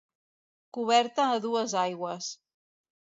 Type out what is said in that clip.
Coberta a dues aigües.